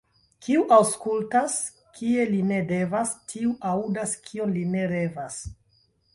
Kiu aŭskultas, kie li ne devas, tiu aŭdas, kion li ne revas.